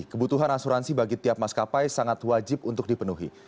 kebutuhan asuransi bagi tiap maskapai sangat wajib untuk dipenuhi